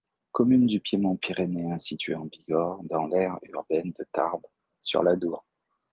Commune du piémont pyrénéen située en Bigorre, dans l'aire urbaine de Tarbes, sur l'Adour.